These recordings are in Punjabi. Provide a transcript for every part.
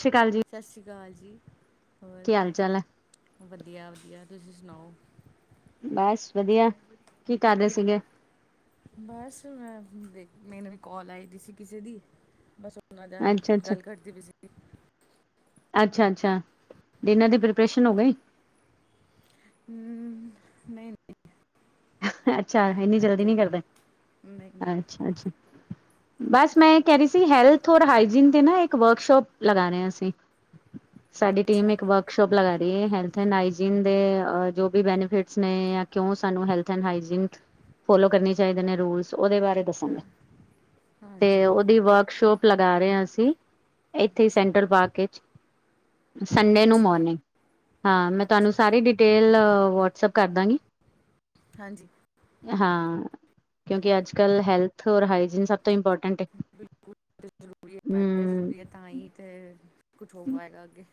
ਸ਼੍ਰੀ ਅਕਾਲ ਜੀ। ਸਤਿ ਸ਼੍ਰੀ ਅਕਾਲ ਜੀ, ਹੋਰ ਕੀ ਹਾਲ ਚਾਲ ਹੈ? ਵਦੀਆ-ਵਦੀਆ ਤੁਸੀਂ ਸੁਣਾਓ। ਬਸ ਵਧੀਆ, ਕੀ ਕਰਰੇ ਸੀਗੇ? ਬਸ ਮੈਂ ਮੈਨੂੰ ਵੀ ਕਾਲ ਆਈ ਦੀ ਸੀ ਕਿਸੇ ਦੀ, ਬਸ ਉਨ੍ਹਾਂ ਨਾਲ ਅੱਛਾ ਅੱਛਾ ਗੱਲ ਕਰਦੀ ਪਈ ਸੀ। ਅੱਛਾ-ਅੱਛਾ, ਡਿਨਰ ਦੀ ਪ੍ਰਪਰੇਸ਼ਨ ਹੋ ਗਈ? ਹੂੰ, ਨਈਂ। ਅੱਛਾ ਏਨੀ ਜਲਦੀ ਹਜੇ ਨੀ ਨਹੀਂ ਕਰਦੇ, ਨਹੀਂ ਨਹੀਂ ਅੱਛਾ-ਅੱਛਾ। ਬਸ ਮੈਂ ਕੈ ਰੀ ਸੀ, ਹੈਲਥ ਔਰ ਹਾਈਜੀਨ ਤੇ ਨਾ ਇੱਕ ਵਰਕਸ਼ੋਪ ਲਗਾ ਰੇਆ ਅਸੀ। [inaudible] ਸਾਡੀ ਟੀਮ ਇੱਕ ਵਰਕ। ਵਰਕਸ਼ਾਪ ਲਗਾ ਰਹੀ ਹੈ ਹੈਲਥ ਐਂਡ ਹਾਈਜੀਨ ਦੇ ਜੋ ਵੀ ਬੈਨੀਫਿਟਸ ਨੇ ਜਾਂ ਕਿਉਂ ਸਾਨੂੰ ਹੈਲਥ ਹਾਈਜੀਨ ਫਾਲੋ ਕਰਨੇ ਚਾਹੀਦੇ ਨੇ ਰੂਲ। ਉਹਦੇ ਬਾਰੇ ਹਾਂ ਦੱਸਾਂਗੇ ਤੇ ਹਾਂਜੀ ਉਹਦੀ ਬਿਲਕੁਲ ਵਰਕਸ਼ਾਪ। ਲਗਾ ਰਹੇ ਹਾਂ ਅਸੀਂ ਇੱਥੇ ਅੱਛਾ ਸੈਂਟਰਲ ਪਾਰਕ ਵਿੱਚ। ਸੰਡੇ ਨੂੰ ਅੱਛਾ ਮੋਰਨਿੰਗ ਹਾਂ, ਮੈਂ ਤੁਹਾਨੂੰ ਅੱਛਾ ਸਾਰੀ ਡਿਟੇਲ ਵਟਸਐਪ ਕਰ ਦਾਂਗੀ। ਹਾਂਜੀ। ਹਾਂ, ਕਿਉਂਕਿ ਅੱਜਕੱਲ੍ਹ ਹੈਲਥ ਔਰ ਹਾਈਜੀਨ ਸਭ ਤੋਂ ਇੰਪੋਰਟੈਂਟ ਹੈ। ਬਿਲਕੁਲ ਜ਼ਰੂਰੀ ਹੈ, ਫਾਇਦਾ ਹੀ ਹਮ ਜ਼ਰੂਰੀ ਹੈ, ਤਾਂ ਹੀ ਤਾਂ ਕੁਝ ਹੋਵੇਗਾ ਅੱਗੇ।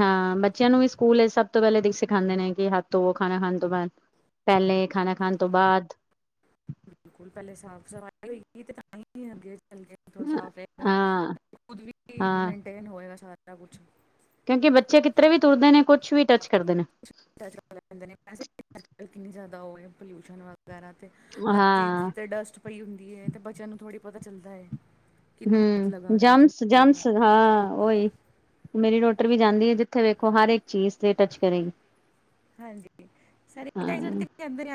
ਹਾਂ, ਬੱਚਿਆਂ ਨੂੰ ਵੀ ਸਕੂਲ ਸਭ ਤੋਂ ਪਹਿਲਾਂ ਸਿਖਾਂਦੇ ਨੇ ਕਿ ਹੱਥ ਤੋਂ ਉਹ ਖਾਣਾ ਖਾਣ ਤੋਂ ਬਾਅਦ। ਪਹਿਲਾਂ ਹਾਂ, ਖਾਣਾ ਖਾਣ ਤੋਂ ਬਾਅਦ ਬਿਲਕੁਲ ਪਹਿਲਾਂ ਸਾਫ਼-ਸਫ਼ਾਈ ਹੋਏਗੀ ਤੇ ਤਾਂ ਹੀ ਅੱਗੇ ਸਾਫ਼ ਰਹੇਗਾ ਹਾਂ ਹਾਂ ਸਾਰਾ ਕੁਝ ਕਿਉਂਕਿ ਬੱਚੇ ਕਿਤੇ ਵੀ ਤੁਰਦੇ ਨੇ, ਕੁਝ ਵੀ ਟੱਚ ਕਰਦੇ ਨੇ ਐਂਵੇਂ ਅੱਜ ਕਿੰਨੀ ਜ਼ਿਆਦਾ ਹੋ ਪੋਲਿਊਸ਼ਨ ਵ? ਵੈਸੇ ਹਰ ਚੀਜ਼ ਹਾਂ 'ਤੇ ਡਸਟ ਪਈ ਹੁੰਦੀ ਹੈ ਤੇ ਬੱਚਿਆਂ ਨੂੰ ਥੋੜ੍ਹੀ ਪਤਾ ਚੱਲਦਾ ਹੈ। ਕਿਹਨੂੰ ਹੱਥ ਲਗਾਉਣਾ ਹੈ ਹਾਂ, ਕਿਹਨੂੰ ਨਹੀਂ ਜਿਵੇਂ ਲਗਾਉਣਾ ਹਾਂ ਓਹੀ ਮੇਰੀ ਡਾਟਰ ਵੀ ਜਾਂਦੀ ਹੈ, ਜਿੱਥੇ ਵੇਖੋ ਹਰ ਇੱਕ ਚੀਜ਼ ਨੂੰ ਟੱਚ ਕਰੇਗੀ। ਹਾਂਜੀ ਸਾਈ। ਹਾਂ ਕਹਿੰਦੇ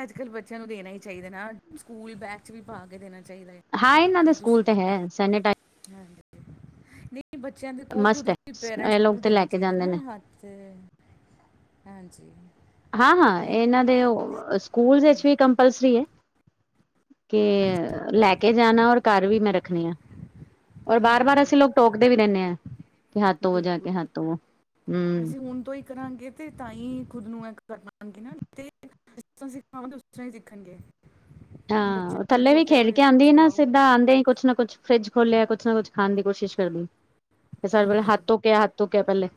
ਅੱਜ-ਕੱਲ੍ਹ ਬੱਚਿਆਂ ਨੂੰ ਦੇਣਾ ਹੀ ਚਾਹੀਦਾ ਨਾ, ਸਕੂਲ ਬੈਗ 'ਚ ਵੀ ਪਾ ਕੇ ਦੇਣਾ ਚਾਹੀਦਾ ਹੈ। ਹਾਂ ਇਹਨਾਂ ਦੇ ਸਕੂਲ 'ਤੇ ਹੈ ਸੈਨੇਟਾਈਜ਼ਰ। ਕੀ ਕਰ ਰਹੇ ਹੋ, ਮਸਟ ਹੈ ਆਪ ਇਹ ਇੰਗਲਿਸ਼ ਲੋਕ ਤੇ ਲੈ ਕੇ ਕਿੱਥੋਂ ਜਾਂਦੇ ਨੇ ਆ ਗਈ ਵਿਚਕਾਰ ਅਤੇ ਹਾਂਜੀ। ਹਾਂ ਹਾਂ ਇਹਨਾਂ ਦੇ ਸਕੂਲ ਵਿੱਚ ਵੀ ਹਾਂਜੀ ਕੰਪਲਸਰੀ ਹੈ ਕਿ ਅੱਛਾ ਲੈ ਕੇ ਜਾਣਾ ਔਰ ਘਰ ਵੀ ਮੈਂ ਰੱਖਣੀ ਆ ਔਰ ਵਾਰ ਵਾਰ ਹਾਂਜੀ ਅਸੀਂ ਲੋਕ ਟੋਕਦੇ ਵੀ ਰਹਿੰਦੇ ਆ ਕਿ ਹੱਥੋਵੋ ਜਾ ਕੇ ਬਿਲਕੁਲ ਹੱਥੋਵੋ ਹਮ ਅਸੀਂ ਹੁਣ ਤੋਂ ਹੀ ਕਰਾਂਗੇ ਤੇ ਤਾਂ ਹੀ ਖੁਦ ਨੂੰ ਇਹ ਕਰਾਂਗੇ ਨਾ ਤੇ ਜਿਸ ਤਰ੍ਹਾਂ ਸਿੱਖਾਵਾਂਗੇ ਉਸ ਤਰ੍ਹਾਂ ਹੀ ਸਿੱਖਣਗੇ ਹਾਂ ਬੱਚਿਆਂ ਨੂੰ ਥੱਲੇ ਵੀ ਛੋਟੇ ਖੇਡ ਹੋਏ ਕੇ ਆਉਂਦੀ ਤੋਂ ਹੀ ਨਾ ਸਿਖਾਓ ਸਿੱਧਾ ਆਉਂਦੇ ਹੀ ਕੁਛ ਨਾ ਕੁਛ ਫਰਿੱਜ ਖੋਲਿਆ ਕੁੱਛ ਨਾ ਕੁਛ ਖਾਣ ਦੀ ਕੋਸ਼ਿਸ਼ ਕਰਦੀ ਤੇ ਸਾਰੇ ਪਲ ਹੱਥ ਹਾਂਜੀ ਧੋੱਕਿਆ ਹੱਥ ਧੋੱਕਿਆ ਪਹਿਲੇ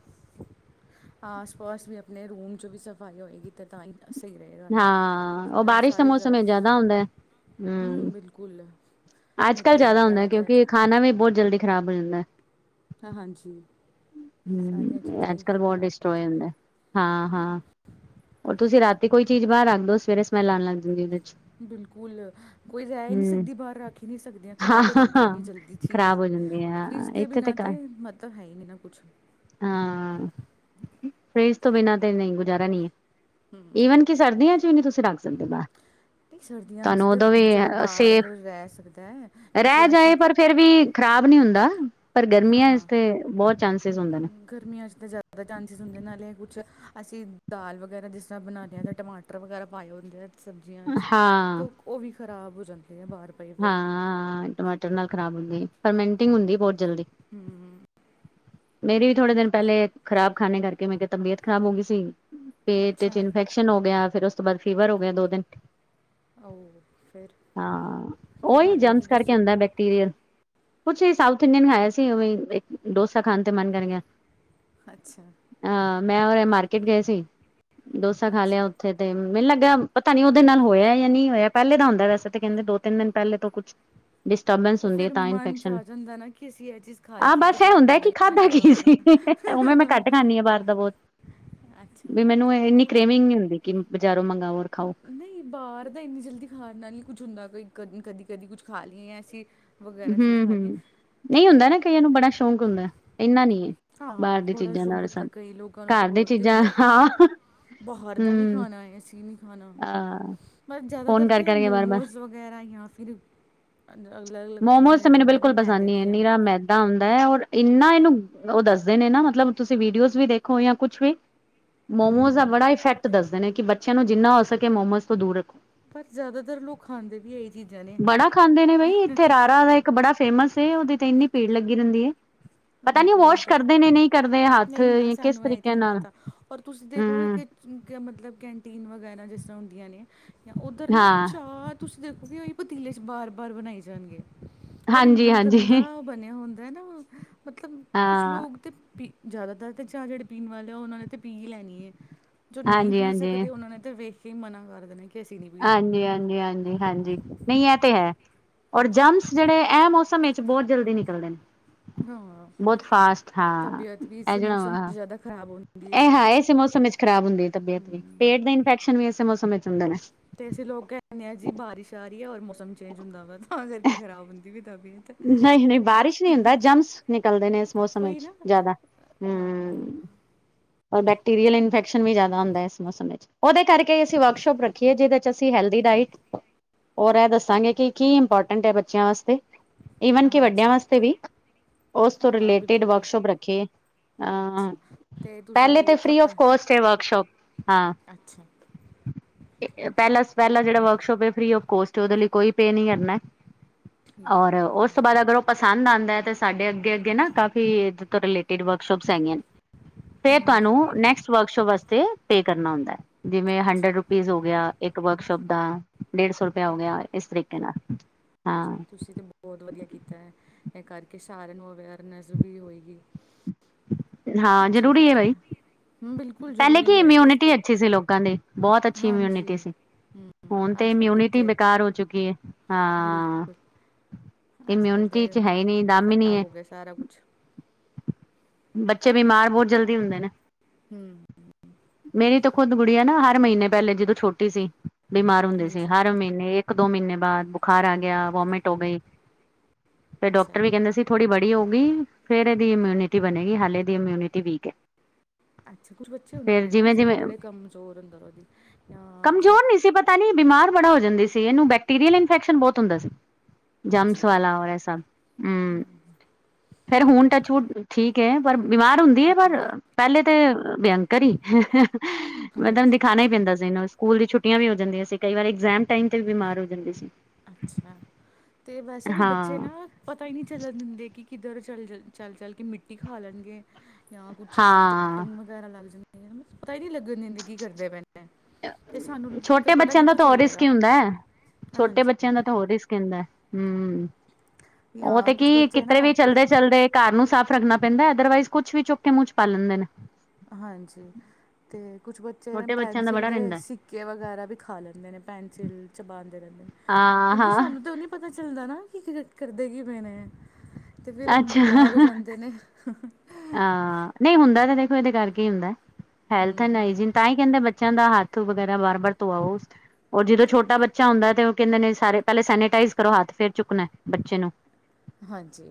ਆਸ ਪਾਸ ਵੀ ਆਪਣੇ ਰੂਮ 'ਚ ਵੀ ਸਫਾਈ ਹੋਏਗੀ ਅਤੇ ਤਾਂ ਹੀ ਸਹੀ ਰਹੇ ਹਾਂ ਉਹ ਤੁਹਾਨੂੰ ਬਾਰਿਸ਼ ਦਾ ਸਾਰੀ ਮੌਸਮ ਜ਼ਿਆਦਾ ਹੁੰਦਾ ਹੈ ਤਰਫ਼ ਹਮ ਬਿਲਕੁਲ ਅੱਜ ਕੱਲ੍ਹ ਮਿੱਟੀ ਜ਼ਿਆਦਾ ਹੁੰਦਾ ਵਗੈਰਾ ਤੇ ਅੱਜ ਕਿਉਂਕਿ ਖਾਣਾ ਵੀ ਬਹੁਤ ਜਲਦੀ ਖ਼ਰਾਬ ਹੋ ਜਾਂਦਾ ਹਾਂ ਹਾਂਜੀ ਸਾਰੀਆਂ ਚੀਜ਼ਾਂ ਅੱਜ ਹੀ ਕਲਬੋਤ ਦਿਸਟ ਖਰਾਬ ਹੋ ਜਾਂਦੀਆਂ ਜਾਂਦਾ ਏ ਹਾਂ ਹਾਂ ਹੋਰ ਤੁਸੀਂ ਰਾਤੀ ਕੋਈ ਚੀਜ਼ ਬਾਹਰ ਰੱਖਦਓ ਸਵੇਰੇ ਸਮੈਲ ਆਉਣ ਲੱਗ ਜਾਗੀ ਉਹਦੇ ਚ ਬਿਲਕੁਲ ਕੋਈ ਰਹਿ ਨਹੀਂ ਹੂੰ। ਸਕਦੀ ਬਾਹਰ ਰੱਖੀ ਨਹੀਂੀ ਸਕਦੀ ਦੀ ਹਾਂ, ਖ਼ਰਾਬ ਹੋ ਜਾਂਦੀਆਂ ਇੰਨੀ ਜਲਦੀ ਖ਼ਰਾਬ ਚੀਜ਼ ਹੋ ਜਾਂਦੀ ਐ ਫਰਿੱਜ ਹਾਂ ਦੇ ਇੱਥੇ ਤੇ ਬਿਨਾਂ ਤਾਂ ਘਰ ਮਤਲਬ ਹੈ ਹੀ ਨਹੀਂ ਨਾ ਕੁਛ ਹਾਂ ਫਰਜ਼ ਤੋਂ ਬਿਨਾਂ ਤੇ ਨਹੀਂ ਗੁਜ਼ਾਰਾ ਨਹੀਂੀ ਹੈ ਈਵਨ ਕਿ ਸਰਦੀਆਂ ਚ ਵੀ ਨਹੀਂੀ ਤੁਸੀਂ ਰੱਖ ਸਕ ਅਤੇ ਸਰਦੀਆਂ 'ਚ ਤਾਂ ਵੀ ਦੁੱਧ ਚਲੋ ਬਾਹਰ ਸੇਫ ਰਹਿ ਸਕਦਾ ਹੈ ਕੁਛ ਰਹਿ ਅਸੀਂ ਜਾਏ ਪਰ ਫੇਿਰ ਵੀ ਖ਼ਰਾਬ ਨਹੀਂ ਹੁੰਦਾ, ਪਰ ਹਾਂ ਗਰਮੀਆਂ ਹਾਂ ਇਸਤੇ ਬਹੁਤ ਚਾਂਸਿਸ ਹੁੰਦੇ ਨੇ। ਗਰਮੀਆਂ 'ਚ ਤਾਂ ਜ਼ਿਆਦਾ ਚਾਂਸਿਸ ਹੁੰਦੇ, ਨਾਲੇ ਕੁਛ ਅਸੀਂ ਦਾਲ ਵਗੈਰਾ ਜਿਸ ਤਰ੍ਹਾਂ ਬਨਾਨੇ ਰਹੇ ਹਾਂ ਤਾਂ ਟਮਾਟਰ। ਟਰ ਵਗੈਰਾ ਪਾਏ ਹੋਦੇ ਆ, ਸਬਜ਼ੀਆਂ 'ਚ ਹਾਂ। ਤਾਂ ਉਹ ਵੀ ਖ਼ਰਾਬ ਹੋ ਜਾਂਦੇ ਬਾਹਰ। ਪਏ ਪਈ ਹਾਂ ਟਮਾਟਰ ਨਾਲ ਖਰਾਬ ਹੁੰਦੇ ਫਰਮੈਂਟਿੰਗ ਹੁੰਦੀ ਬਹੁਤ ਜਲਦੀ। ਹਮ। ਮੇਰੀ ਵੀ ਥੋੜੇ ਦਿਨ ਪੈਲੇ ਖ਼ਰਾਬ ਖਾਨੇ ਕਰਕੇ ਮੇ ਕਿਹਾ ਤਬੀਅਤ ਖ਼ਰਾਬ ਹੋ ਗੀ ਸੀ ਪੇਟ 'ਚ ਅੱਛਾ ਇਂਫੈਕ ਸ਼ਨ ਹੋ ਗਿਆ ਫਿਰ ਉਸ ਤੋਂ ਬਾਦ ਫੀਵਰ ਹੋ ਗਿਆ ਦੋ ਦਿਨ। ਉਹ ਫਿਰ ਹਾਂ! ਕੀ ਖਾ ਓਈ ਲਿਆ ਸੀ ਜੰਕਸ ਕਰਕੇ ਤੁਸੀਂ ਅੰਦਰ ਬੈਕਟ ਟਿਰੀਆ, ਕੁਛ ਵੀ ਸਾਊਥ ਇੰਡੀਅਨ ਹੈ ਸੀ, ਉਵੇਂ ਈ ਇੱਕ ਡੋਸਾ ਖਾਣ ਤੇ ਮਨ ਕਰ ਗਿਆ। ਅੱਛਾ। ਹਾਂ ਮੈਂ ਔਰ ਐ ਮਾਰਕਿਟ ਗਏ ਸੀ, ਡੋਸਾ ਖਾ ਅੱਛਾ ਲਿਆ ਓਥੇ। ਤੇ ਮੈਨੂੰ ਲੱਗਾ ਪਤਾ ਨੀ ਓਦੇ ਨਾਲ ਹੋਇਆ ਯਾ ਨੀਂ ਹੋਇਆ। ਪਹਿਲੇ ਦਾ ਹੋਂਦਾ ਵੈਸੇ ਤੇ ਕੈਂਦੇ ਦੋ-ਤਿੰਨ ਦਿਨ ਪੈਲੇ ਤੋਂ ਕੁਛ ਡਿਸਟਰਬੈਂਸ ਓ ਹੁੰਦੀ ਹੈ ਫੇਰ ਤਾਂ ਮਨ 'ਚ ਇਨਫੈਕਸ਼ਨ ਆ ਜਾਂਦੈ ਨਾ ਕਿ ਅਸੀਂ ਐ ਚੀਜ਼ ਖਾ ਲੀ ਆਹ ਜਿਦੇ ਬਸ ਇਹ ਸ਼ਾਇਦ ਹੁੰਦਾ ਓਦੇ ਕਿ ਨਾਲ ਤਾ ਇ ਹੋਯਾ ਹੌਏਗਾ। ਖਾਨੀ ਆ ਬਾਰ ਦਾ ਬੌਤ, ਬਈ ਮੈਨੂੰ ਐ-ਇੰਨੀ ਕ੍ਰੇਵਿੰਗ ਨੀ ਹੁੰਦੀ ਕਿ ਬਜ਼ਾਰੋਂ ਮੰਗਾਵਾਂ। ਹਮ [unintelligible] ਨਈਂ ਬਾਰ ਦਾ ਇੰਨੀ ਜਲਦੀ ਖਾਨ ਨਾਲ ਨੀ ਕੁਛ ਹੁੰਦਾ, ਕਿਉਕਿ ਕਦੀ-ਕਦੀ-ਕਦੀ ਕੁਛ ਖਾ ਲਈ ਯਾ ਅਸੀਂ ਵਗੈਰਾ ਚੀਜ਼ ਖਾ ਲਈਏ ਹੂੰ-ਹੂੰ, ਨਈਂ ਤੇ ਹੁੰਦੈ ਨਾ ਕਈਆਂ ਨੂੰ ਬੜਾ ਸ਼ੌਕ ਹੁੰਦੈ, ਇੰਨਾ ਨੀ ਏ। ਹਾਂ ਬਾਹਰ ਦੀ ਬੜਾ ਚੀਜ਼ਾਂ ਸ਼ੌਕ ਨਾਲ ਹੁੰਦੈ, ਸਭ ਕਈ ਲੋਕਾਂ ਨੂੰ ਤੇ ਘਰ ਦੀ ਬਹੁਤ ਹੀ ਚੀਜ਼ਾਂ ਹੁੰਦੈ ਕਿ ਹਾਂ ਅਸੀ ਬਾਹਰ ਦਾ ਹੀ ਹੂੰ ਖਾਣਾ ਏ, ਅਸੀਂ ਨਹੀਂ ਖਾਣਾ। ਅ ਪਰ ਫੋਨ ਜ਼ਿਆਦਾਤਰ ਕਰ ਤੇ ਕਰਕੇ ਬਾਰ-ਬਾਰ ਮੋਮੋਜ਼ ਵਗੈਰਾ ਯਾਂ ਫਿਰ ਅਲ-ਅਲੱਗ ਅਲੱਗ ਚੀਜ਼ਾਂ ਮੋਮੋਸ ਜੇੜੀਆਂ ਹੁੰਦੀਆਂ ਨਾ ਮੈਦੇ ਦੀਆਂ। ਤਾਂ ਹੁੰਂਦੈ ਔਰ ਇੰਨਾ ਇਨੂੰ ਓ ਦੱਸਦੇ ਨੇ ਨਾ ਮਤਲਬ ਤੁਸੀਂ ਵੀਡੀਓਜ਼ ਵੀ ਦੇਖੋ ਯਾਂ ਕੁਛ ਵੀ। ਹੂੰ। ਮੋਮੋਜ਼ ਦਾ ਬੜਾ ਇਫੈਕਟ ਦੱਸਦੇ ਨੇ, ਕਿ ਬੱਚਿਆਂ ਨੂੰ ਜਿੰਨਾ ਹੋ ਸਕੇ ਮੋਮੋਜ਼ ਤੋਂ ਦੂਰ ਰੱਖੋ। ਪਰ ਜ਼ਿਆਦਾਤਰ ਲੋਕ ਖਾਂਦੇ ਵੀ ਏਹੀ ਚੀਜ਼ਾਂ ਨੇ। ਬੜਾ ਖਾਂਦੇ ਨੇ ਬਈ ਇੱਥੇ ਰਾਰਾ ਦਾ ਇੱਕ ਬੜਾ ਫੇਮਸ ਏ, ਓਦੇ ਤੇ ਇੰਨੀ ਭੀੜ ਲੱਗੀ ਰੈਂਦੀ ਏ। ਪਤਾ ਨੀ ਵਾਸ਼ ਬਹੁਤ ਕਰਦੇ ਨੇ ਨਈਂ ਕਰਦੇ ਹੱਥ ਨਹੀਂ ਨਾ ਯ ਕਿਸ ਸਾਨੂੰ ਇਹ ਤਰੀਕੇ ਨਾਲ, ਹੂੰ। ਸੁਣਕੇ ਮਤਲਬ ਕੈਂਟੀਨ ਵਗੈਰਾ ਜਿਸ ਤਰ੍ਹਾਂ ਹੁੰਦੀਆਂ ਨੇ ਯਾ ਓਧਰ ਨਾ ਹਾਂ ਚਾਰ ਤੁਸੀਂ ਦੇਖੋਗੇ ਓਹੀ ਪਤੀਲੇ ਚ ਬਾਰ- ਬਾਰ ਬਣਾਈ ਜਾਣਗੇ ਔਰ ਇੰਨਾ ਹਾਂਜੀ-ਹਾਂਜੀ, ਗੰਦਾ ਬਣਿਆ ਹੁੰਦ ਦੈ ਨਾ ਮਤਲਬ ਕੁਛ ਹਾਂ, ਲੋਕ ਤੇ ਪੀ, ਜ਼ਿਆਦਾਤਰ ਤੇ ਚਾਹ ਜੇੜੇ ਪੀਣ ਵਾਲੇ ਆ, ਓਨਾਂ ਨੇ ਤੇ ਪੀ ਹੀ ਲੈਣੀ ਏ। ਜੋ ਨਹੀਂ ਪੀ ਹਾਂਜੀ-ਹਾਂਜੀ। ਸਕਦੇ, ਓਨਾਂ ਨੇ ਤੇ ਵੇਖ ਕੇ ਹੀ ਮਨਾ ਕਰ ਦੇਣਾ ਕਿ ਅਸੀਂ ਨਹੀਂ ਪੀਣੀ ਹਾਂਜੀ-ਹਾਂਜੀ-ਹਾਂਜੀ-ਹਾਂਜੀ ਨਈਂ ਐ ਤੇ ਹੈ, ਹਾਂ ਔਰ ਜਮਸ ਜੇੜੇ ਐ ਮੌਸਮ ਵਿੱਚ ਬਹੁਤ ਜਲਦੀ ਨਿਕਲਦੇ ਨੇ। ਹਾਂ ਬਹੁਤ ਫਾਸਟ ਹਾਂ ਤਬੀਅਤ ਵੀ ਐ ਇਸੇ ਜੇੜਾ, ਮੌਸਮ 'ਚ ਹਾਂ ਜ਼ਿਆਦਾ ਖ਼ਰਾਬ ਹੁੰਦੀ ਹੈ ਐ ਤੇ ਹਾਂ ਇਸੇ ਮੌਸਮ ਇਚ ਖ਼ਰਾਬ ਹੁੰਦੀ ਤਬੀਅਤ ਵੀ, ਹੂੰ ਪੇਟ ਦੇ ਇਨਫੈਕਸ਼ਨ ਵੀ ਇਸੇ ਮੌਸਮ ਇਚ ਹੁੰਦੇ ਨੇ। ਤੇ ਅਸੀਂ ਲੋਕ ਕੈਂਨੇ ਆ ਜੀ ਬਾਰਿਸ਼ ਆ ਰੀ ਐ ਔਰ ਮੌਸਮ ਚੇਂਜ ਹੁੰਦਾ ਪਿਆ ਤਾਂ ਕਰਕੇ ਖਰਾਬ ਹੁੰਦੀ ਪਈ ਏ ਤਬੀਅਤ। ਨਈਂ-ਨਈਂ ਬਾਰਿਸ਼ ਨੀ ਹੁੰਦਾ, ਜਮਸ ਨਿਕਲਦੇ ਨੇ ਇਸ ਮੌਸਮ ਉਹੀ ਵਿੱਚ ਨਾ ਜ਼ਿਆਦਾ। ਹਾਂ। ਹੂੰ, ਔਰ ਬੈਕਟੀਰੀਅਲ ਇਨਫੈਕਸ਼ਨ ਵੀ ਜਾਦਾ ਹੁੰਦੈ ਇਸ ਮੌਸ ਵਿੱਚ। ਓਦੇ ਕਰਕੇ ਅਸੀਂ ਹੋਰ ਵਰਕਸ਼ੋਪ ਰੱਖ ਖੀਏ ਜਿਦੇ ਚ ਅਸੀਂ ਹੈਲਦੀ ਡਾਇਟ ਔਰ ਐ ਦੱਸਾਂਗੇ ਕਿ ਕੀ ਇੰਪੋਰਟੈਂਟ ਹੈ ਬੱਚਿਆਂ ਆਸਤੇ, ਈਵਨ ਕਿ ਵੱਡਿਆਂ ਹਾਂਜੀ ਵਾਸਤੇ ਵੀ। ਉਸ ਤੋਂ ਹਾਂ ਹਾਂ ਰਿਲੇਟਿਡ ਬਿਲਕੁਲ ਵਰਕਸ਼ੋਪ ਰੱਖੀ ਏ, ਅਂ ਅੱਛਾ ਤੇ ਤੁਸੀਂ ਪੈਲੇ ਤੇ ਫਰੀ ਆਫ ਘਰ ਕੋਸਟ ਏ ਵਰਕਸ਼ੋਪ, ਹਾਂ ਅੱਛਾ ਠੀਕ ਹੈ ਪੈਲਾਂ ਪੈਲਾਂ ਜੇੜਾ ਵਰਕਸ਼ੋਪ ਏ, ਫਰੀ ਆਫ ਕੋਸਟ ਏ। ਓਦੇ ਲਈ ਕੋਈ ਪੇ ਨੀ ਕਰਨੈ। ਠੀਕ ਹੈ ਔਰ ਠੀਕ ਉਸ ਹੈ ਤੋਂ ਬਾਦ ਅਗਰ ਓ ਪਸੰਦ ਆਂਦੈ, ਤੇ ਸਾਡੇ ਅੱਗੇ ਅੱਗੇ ਨਾ ਕਾਫ਼ੀ ਇਦੇ ਤੋਂ ਰਿਲੇਟ ਟਿਡ ਵਰਕਸ਼ੋਪ ਹੈਗੀਆ ਨੇ। ਫੇਿਰ ਹਾਂਜੀ ਤੁਹਾਨੂੰ ਨੈਕਸਟ ਵਰਕਸ਼ੋਪ ਵਾਸਤੇ ਪੇ ਕਰਨਾ ਹੁੰਦੈ, ਜਿਵੇਂ ਅੱਛਾ ਹੰਡਰਡ ਰੁਪੀਜ਼ ਹੋ ਗਿਆ। ਇੱਕ ਵਰਕਸ਼ੋਪ ਦਾ ਡੇਢ ਸੌ ਰੁਪਇਆ ਹੋ ਹਾਂ, ਗਿਆ, ਇਸ ਤਰੀਕੇ ਨਾਲ। ਅੱਛਾ ਹਾਂ ਤੁਸੀਂ ਤੇ ਬਹੋਤ ਵਧੀਆ ਕੀਤੈ ਇਹ ਕਰਕੇ ਸਾਰੇਆਂ ਨੂੰ ਅਵੇਅਰਨੈਸ ਵੀ ਹੋਏਗੀ। ਹਾਂ ਅੱਛਾ ਜ਼ਰੂਰੀ ਐ ਕੀਤਾ ਹੈ ਬਈ। ਹਮ, ਬਿਲਕੁਲ ਪੈਹਲੇ ਕੀ ਜ਼ਰੂਰੀ ਹੈ ਚੀਜ਼ ਇਮਿਊਨਿਟੀ ਤੇ ਅੱਛੀ ਸੀ ਲੋਕਾਂ ਦੀ, ਬਹੋਤ ਅੱਛੀ ਇਮਿਊਨਿਟੀ ਹਾਂਜੀ ਸੀ। ਹਮ ਹੁਣ ਤੇ ਅੱਜ ਕੱਲ ਇਮਿਊਨਿਟੀ ਕਿੱਥੇ ਬੇਕਾਰ ਹੋ ਚੁੱਕੀ ਐ ਹਾਂ। ਬਿਲਕੁਲ ਅੱਜ ਕੱਲ੍ਹ ਇਮਿਊਨਿਟੀ ਤੇ ਚ ਹੈ ਨੀ ਦਮ ਈ ਨੀ ਖ਼ਰਾਬ ਐ। ਹੋ ਗਿਆ ਸਾਰਾ ਕੁਛ ਬੱਚੇ ਬਿਮਾਰ ਬਹੋਤ ਜਲਦੀ ਹੁੰਦੇ ਨੇ, ਹਮ ਮੇਰੀ ਤੋਂ ਖੁਦ ਗੁੜੀਆ ਨਾ ਹਰ ਮਹੀਨੇ ਪੈਹਲੇ ਜਦੋਂ ਛੋਟੀ ਸੀ ਬਿਮਾਰ ਹੁੰਦੇ ਸੀ ਹਾਂਜੀ ਹਰ ਮੀਹਨੇ ਇੱਕ-ਦੋ ਮੀਹਨੇ ਬਾਦ ਬੁਖਾਰ ਆ ਗੇਆ, ਵੋਮੇਟ ਹੋ ਗਈ। ਫੇ ਅੱਛਾ ਡਾਕਟਰ ਵੀ ਕੈਹੰਦੇ ਸੀ ਥੋੜ੍ਹੀ ਬੜੀ ਹੋਊਗੀ ਫੇਰ ਐਦੀ ਇਮਿਊਨਿਟੀ ਬਣੇਗੀ ਹਾਲੇ ਐਦੀ ਇਮਿਊਨਿਟੀ ਵੀਕ ਐ। ਅੱਛਾ ਕੁਛ ਬੱਚੇ ਹੁੰਦੇ ਨੇ ਨਾ ਬੜੇ ਕਮਜ਼ੋਰ ਅੰਦਰੋਂ ਦੀ, ਜਾਂ ਤਾਂ ਨੀ ਬਿਮਾਰ ਬੜਾ ਹੋ ਜਾਂਦੀ ਸੀ, ਏਹਨੂੰ ਬੈਕਟੀਰੀਅਲ ਇਨਫੈਕਸ਼ਨ ਬਹੋਤ ਹੁੰਦਾ ਸੀ। ਜਮਸ ਅੱਛਾ ਵਾਲਾ ਹੋਯੈ ਐਸਾ, ਹੂਂ ਫੇਰ ਹੁਣ ਟੱਚ ਵੁੱਡ ਠੀਕ ਹੈ ਪਰ ਬਿਮਾਰ ਹੁੰਦੀ ਹੈ ਪਰ, ਹਮ ਪੈਹਲੇ ਤੇ ਭਅੰਕਰ ਈ ਮਤਲਬ ਅੱਛਾ ਦਿਖਾਣਾ ਈ ਪੈਂਦਾ ਸੀ ਇਹਨੂੰ, ਸਕੂਲ ਦੀ ਛੁੱਟੀਆਂ ਵੀ ਹੋ ਜਾਂਦੀਆਂ ਸੀ। ਕਈ ਵਾਰੀ ਐਗਜੈ਼ਮ ਟਾਈਮ ਤੇ ਬਿਮਾਰ ਹੋ ਜਾਂਦੇ ਸੀ। ਅੱਛਾ, ਤੇ ਵੈਸੇ ਵੀ ਬੱਚੇ ਹਾਂ ਨਾ ਪਤਾ ਹੀ ਨੀ ਚੱਲ ਦਿੰਦੇ ਕਿ ਕਿੱਧਰ ਚਲਜ ਚੱਲ-ਚੱਲ ਕੇ ਮਿੱਟੀ ਖਾ ਲੈਣਗੇ। ਯਾਂ ਕੁੱਛ ਹਾਂ ਚੱਟਨ ਵਗੈਰਾ ਲੱਗ ਜਾਂਦੇ ਨੇ, ਪਤਾ ਹੀ ਨੀ ਲੱਗਨ ਦੇਂਦੇ ਕੀ ਕਰਦੇ ਪਏਨ। ਤੇ ਸਾਨੂੰ ਫੇਰ ਛੋਟੇ ਪਤਾ ਬੱਚਿਆਂ ਦਾ ਕਿੱਥੋਂ ਚੱਲੇਗਾ, ਹਾਂਜੀ। ਬੱਚੇਆਂ ਦਾ ਹੋਰ ਰਿਸਕ ਰੈਂਦੈ ਹੂਂ, ਓਹ ਜਾਂ ਤੇ ਕੁਛ ਕੀ ਬੱਚੇ ਕਿਤੇ ਨਾ ਵੀ ਚਲ ਚੱਲਦੇ-ਚਲਦੇ ਘਰ ਨੂੰ ਸਾਫ਼ ਰੱਖਣਾ ਪੈਂਦੈਂ, ਅਦਰਵਾਈਜ਼ ਕੁਛ ਵੀ ਚੁੱਕ ਕੇ ਮੂੰਹ ਚ ਪਾ ਲੈਂਦੇ ਨੇ। ਹਾਂਜੀ, ਤੇ ਕੁਛ ਬੱਚੇ ਛੋਟੇ ਬੱਚਿਆਂ ਦਾ ਪੈਨਸਿਲ ਬੜਾ ਦੇ ਸਿੱਕ ਰਹਿੰਦਾ ਸਿੱਕੇ ਵਗੈਰਾ ਵੀ ਖਾ ਲੈਂਦੇ ਨੇ ਪੈਨਸਿਲ ਚਬਾਂਦੇ ਰੈਹੰਦੇ ਨੇ, ਹਾਂ ਕਿਉਂਕਿ ਹਾਂ ਸਾਨੂੰ ਤੇ ਓਹਨੇ ਪਤਾ ਚੱਲਦਾ ਨਾ ਕੀ ਕਰਦੇ ਕੀ ਪਏ ਨੇ ਤੇ ਫਿਰ ਅੱਛਾ ਬਿਮਾਰ ਹੋ ਜਾਂਦੇ ਨੇ ਹਾਂ ਨਂਈ ਹੁੰਦਾ ਤਾਂ ਦੇਖੋ ਇਹਦੇ ਕਰਕੇ ਈ ਹੁੰਦਾ, ਹੈਲਥ ਐਨ ਹੂੰ ਹਾਈਜੀਨ। ਤਾਂ ਈ ਕੈਹੰਦੇ ਬੱਚੇਆਂ ਦਾ ਹੱਥ ਵਗੈਰਾ ਬਾਰ-ਬਾਰ ਧੋਆਓ, ਔਰ ਜਦੋਂ ਛੋਟਾ ਬੱਚਾ ਹੁੰਦਾ ਤੇ ਕੈਹੰਦੇ ਨੇ ਸਾਰੇ ਪੈਹਲੇ ਸੈਨੇਟਾਈਜ਼ ਕਰੋ ਹੱਥ ਫੇਰ ਚੁੱਕਣੈ ਬੱਚੇ ਨੂੰ। ਹਾਂਜੀ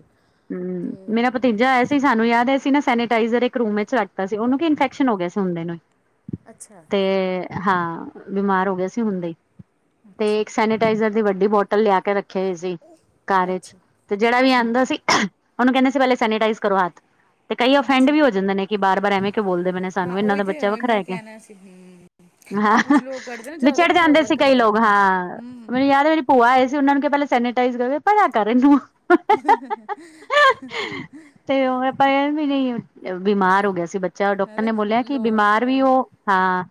ਹੂਂ ਅਤੇ ਮੇਰਾ ਭਤੀਜਾ ਹੋਏਆ ਸੀ ਸਾਨੂੰ ਯਾਦ ਐ ਅਸੀ ਨਾ ਸੈਨੇ ਟਾਈਜ਼ਰ ਇਕ ਰੂਮ ਵਿੱਚ ਰਖਤਾ ਸੀ ਓਹਨੂੰ ਕੀ ਇਨਫੈਕਸ਼ਨ ਹੋ ਗੇਆ ਸੀ ਹੁੰਦੇ ਨੂੰ, ਅੱਛਾ ਤੇ ਹਾਂ ਬਿਮਾਰ ਹੋ ਗੇਆ ਸੀ ਹੁਣਦੇ ਈ। ਤੇ ਅੱਛਾ ਇੱਕ ਸੈਨੇਟਾਈਜ਼ਰ ਦੀ ਵੱਡੀ ਬੋਟਲ ਲੇਆ ਕੇ ਰੱਖੇ ਓਈ ਸੀ। ਘਾਰ ਇਚ, ਅੱਛਾ ਤੇ ਜੇਹੜਾ ਵੀ ਆਂਦਾ ਸੀ ਉਹਨੂੰ ਕੈਹੰਦੇ ਸੀ ਪੈਹਲੇ ਸੈਨੇਟਾਈਜ਼ ਕਰੋ ਹਾਥ। ਤੇ ਕਈ ਓਫੈਂਡ ਅੱਛਾ ਵੀ ਹੋ ਜਾਂਦੇ ਨੇ ਕਿ ਬਾਰ-ਬਾਰ ਐਵੇਂ ਕਯੋਂ ਬੋਲਦੇ ਪਏ ਨੇ ਹਾਂ ਸਾਨੂੰ ਇਹਨਾਂ ਉਹੀ ਦਾ ਤਾਂ ਬੱਚਾ ਉਹੀ ਮੈਂ ਵੱਖਰੈ ਕਯਾ। ਕਹਿਣਾ ਸੀ ਹੂੰ ਅਤੇ ਹਾਂ ਕੁਛ ਲੋਕ ਕਰਦੇ ਨਾ ਜ਼ਿਆਦਾ ਵਿਛੜ ਕੁਛ ਜਾਂਦੇ ਓਵਰ ਸੀ ਕਈ ਕਰਦੇ ਲੋਕ ਪਏ ਨੇ ਹਾਂ, ਹੂੰ ਮੈਨੂੰ ਯਾਦ ਐ ਮੇਰੀ ਭੂਆ ਆਏ ਸੀ ਉਹ ਨੂੰ ਕੇਆ ਪੈਹਲੇ ਸੈਨੀੇਟਾਈਜ਼ ਕਰ ਪਰਾਂ ਕਰ ਇਹਨੂੰ [inaudible] ਤੇ ਓਹ ਆਪਾਂ ਐ ਵੀ ਨੀ ਬਿਮਾਰ ਹੋ ਗੇਆ ਸੀ ਬੱਚ ਚਾ ਡਾਕਟਰ ਹੈ ਨੇ ਬੋਲੇਆ ਕਿ ਲੋਕ ਬਿਮਾਰ ਵੀ ਓ, ਹਾਂ।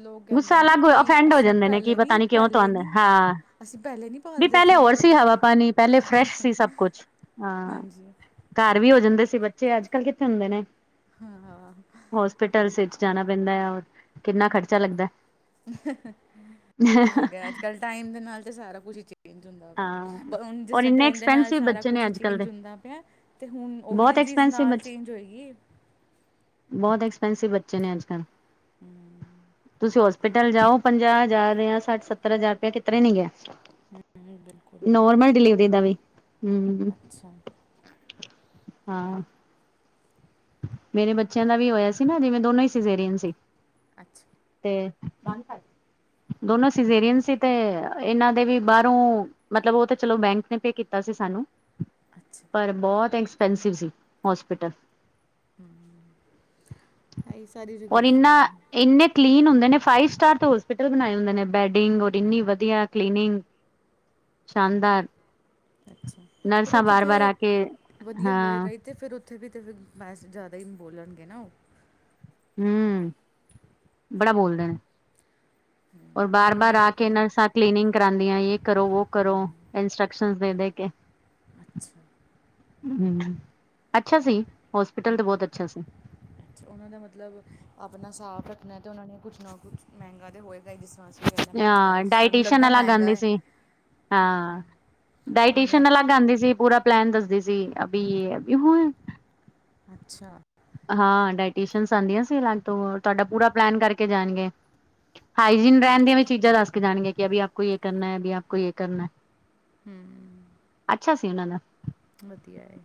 ਲੋਕ ਕਹਿੰਦੇ ਗੁੱਸਾ ਨੇ ਅਲੱਗ ਕਿ ਐਫੈਂਡ ਹੋ ਅਸੀਂ ਜਾਂਦੇ ਨੇ ਕੀ ਪਹਿਲੇ ਪਤਾ ਨਹੀਂ ਨੀ ਕਿਉਂ ਪਹਿਲੇ ਤੋਹਾਣ ਨਹੀਂ ਹਾਂ। ਅਸੀਂ ਪਹਿਲੇ ਨਹੀਂ ਵੀ ਪਾਲਦੇ ਪੈਹਲੇ ਹੋਰ ਸੀ ਹਵਾ ਪਾਣੀ ਪੈਹਲੇ ਫਰੈਸ਼ ਸੀ ਸਭ ਕੁਛ, ਹਾਂ। ਹਾਂਜੀ ਘਰ ਵੀ ਹੋ ਜਾਂਦੇ ਸੀ ਬੱਚੇ ਅੱਜ-ਕੱਲ ਕਿੱਥੇ ਹੁੰਦੇ ਨੇ, ਹਾਂ ਹੋਸਪਿਟਲਸ ਬਿਲਕੁਲ ਇਚ ਜਾਣਾ ਪੈਂਦਾਂ ਆ, ਕਿੰਨਾ ਖਰਚਾ ਲੱਗਦੈ। ਉਹ ਤੇ ਹੈਗਾ ਅੱਜ ਕੱਲ ਟਾਈਮ ਦੇ ਨਾਲ ਤੇ ਸਾਰਾ ਕੁਛ ਉਝ ਹਾਂ। ਔਰ ਇੰਨੇ ਟੈਮ ਦੇ ਨਾਲ ਐਕਸਪੈਂਸਿਵ ਸਾਰਾ ਬੱਚੇ ਕੁਛ ਨੇ ਅੱਜ ਕੱਲ੍ਹ ਦੇ ਚੇਂਜ ਹੁੰਦਾ ਪਿਆ। ਤੇ ਹੁਣ ਉਹ ਵੀ ਤੇ ਬਹੁਤ ਚੀਜ਼ ਐਕਸਪੈਂਸਿਵ ਨਾਲ ਬੱਚ ਚੇਂਜ ਹੋਏਗੀ। ਬਹੁਤ ਐਕਸਪੈਂਸਿਵ ਬੱਚੇ ਨੇ ਅੱਜ ਕੱਲ੍ਹ ਹੂੰ, ਤੁਸੀਂ ਹੋਸਪਿਟਲ ਜਾਓ ਪੰਜਾਹ ਹਜ਼ਾਰ ਜਾਂ ਸੱਠ ਸੱਤਰ ਹਜ਼ਾਰ ਰੁਪਇਆ ਕਿਤਰੇ ਨੀ ਗਿਆ। ਹੂੰ, ਨੋਰਮਲ ਡਿਲੀਵਰੀ ਦਾ ਵੀ ਹੂੰ ਅੱਛਾ ਹਾਂ। ਮੇਰੇ ਬੱਚਿਆਂ ਦਾ ਵੀ ਹੋਇਆ ਸੀ ਨਾ ਜਿਵੇਂ ਦੋਨੋ ਈ ਸਜੇਰੀਅਨ ਸੀ। ਅੱਛਾ ਤੇ ਦੋਨੋ ਸਜ਼ੇਰੀਅਨ ਸੀ ਤੇ ਇਹਨਾਂ ਦੇ ਵੀ ਬਾਰੋਂ ਮਤਲਬ ਉਹ ਤੇ ਚਲੋ ਬੈਂਕ ਨੇ ਪੇਅ ਕੀਤਾ ਸੀ ਸਾਨੂੰ। ਅੱਛਾ। ਪਰ ਬਹੁਤ ਐਕਸਪੈਂਸਿਵ ਸੀ ਹੋਸਪਿਟਲ, ਹੂੰ, ਹੈ ਈ ਸਾਰੀ ਜ੍ਹਗਾ ਔਰ ਇਸ ਤਰਾ ਇੰਨਾ ਈ ਐ। ਇੰਨੇ ਕਲੀਨ ਹੁੰਦੇ ਨੇ ਫਾਈਵ ਸਟਾਰ ਤੇ ਹੋਸਪਿਟਲ ਬਣਾਏ ਹੁੰਦੇ ਨੇ ਬੈਡਿੰਗ ਔਰ ਇੰਨੀ ਵਧੀਆ ਕਲੀਨਿੰਗ। [inaudible] ਸ਼ਾਨਦਾਰ ਅੱਛਾ ਪਰ ਨਰਸਾਂ ਉੱਥੇ ਬਾਰ ਤੇ ਬਾਰ ਆ ਕੇ ਵਧੀਆ ਹਾਂ ਹੋਏਗਾ ਈ। ਤੇ ਫਿਰ ਉੱਥੇ ਵੀ ਤਾਂ ਬੈਸ ਜ਼ਿਆਦਾ ਈ ਬੋਲਣਗੇ ਨਾ ਉਹ। ਹੂੰ ਬੜਾ ਬੋਲਦੇ ਨੇ। ਔਰ ਬਾਰ ਜਿਨ੍ਹਾਂ ਬਾਰ ਨੇ ਆ ਕੇ ਆਪਣੇ ਇਹਨਾਂ ਸਥ ਕਲੀਨਿੰਗ ਕਰਾਨੀ ਆ ਜੈ ਕਰੋ ਵੋ ਕਰੋ ਇੰਸਟਰ੍ਰਕਸ਼ਨ ਦੇ ਦੇ ਕੇ। ਅੱਛਾ। ਹੂੰ ਅੱਛਾ ਸੀ, ਹੋਸਪਿਟਲ ਤੇ ਬਹੁਤ ਅੱਛਾ ਸੀ। ਅੱਛਾ ਉਹਨਾਂ ਦਾ ਮਤਲਬ ਆਪਣਾ ਸਾਬ ਰੱਖਣਾ ਤੇ ਉਹਨਾਂ ਨੇ ਕੁਛ ਨਾ ਕੁਛ ਮਹਿੰਗਾ ਤੇ ਹੋਏਗਾ ਈ ਜਿਸ [unintelligible] ਜ਼ਿਆਦਾ ਮਹਿੰਗਾ ਐ ਹਾਂ ਸਾਨੂੰ ਡਾਇਟੀਸ਼ਨ ਲੱਗਦਾ ਅਲੱਗ ਮਹਿੰਗਾ ਆਂਦੀ ਐ। ਸੀ ਹਾਂ, ਡਾਇਟੀਸ਼ਨ ਆਪ- ਅਲੱਗ ਆਦੀ ਸੀ ਪੂਰਾ ਪਲੈਨ ਦੱਸਦੇ ਸੀ ਅਭੀ ਇਹ ਹੁਣ ਅੱਛਾ। ਹਾਂ ਡਾਇਟੈਸਨਸ ਆਦੀਆਂ ਸੀਗਾ ਤੋਂ ਤੁਹਾਡਾ ਪੂਰਾ ਪਲੈਨ ਕਰਕੇ ਜਾਣਗੇ। ਹਾਈਜੀਨ ਰਹਿਣ ਦੀਆਂ ਵੀ ਚੀਜ਼ਾਂ ਦੱਸ ਕੇ ਜਾਣਗੀਆਂ ਕਿ ਵੀ ਆਪ ਕੋਈ ਇਹ ਕਰਨਾ ਐ ਵੀ ਆਪ ਕੋਈ ਇਹ ਕਰਨਾ। ਹੂੰ, ਅੱਛਾ ਸੀ ਉਨਾ ਦਾ। ਵਧੀਆ ਐ।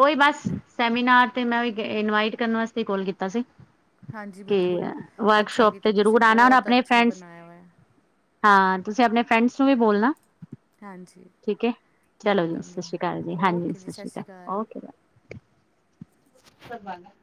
ਉਹੀ ਬਸ ਸੈਮੀਨਾਰ ਤੇ ਮੈਂ ਇਨਵਾਈਟ ਕਰਨ ਵਾਸਤੇ ਕੋਲ ਕੀਤਾ ਸੀ। ਹਾਂਜੀ ਕਿ ਬਿਲਕੁਲ ਅੱਛਾ ਵਰਕਸ਼ੋਪ ਕੀਤਾ ਤੇ ਤੁਸੀਂ ਜ਼ਰੂਰ ਆਣਾ ਹੁਣ ਬਹੁਤ ਆਪਣੇ ਅੱਛਾ ਫਰੈਂਡਸ ਬਣਾਇਆ ਹੋਇਆ ਹਾਂ ਤੁਸੀਂ ਆਪਣੇ ਫਰੈਂਡਸ ਨੂੰ ਵੀ ਬੋਲਣਾ। ਹਾਂਜੀ ਠੀਕ ਐ ਚਲੋ ਜੀ ਸਤਿ ਬੋਲਾਂਗੇ ਸ਼੍ਰੀ ਅਕਾਲ ਜੀ ਹਾਂਜੀ ਸਤਿ ਸ਼੍ਰੀ ਅਕਾਲ ਓਕੇ। [inaudible]